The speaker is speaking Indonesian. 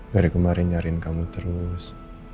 baru kemarin nyariin kamu terus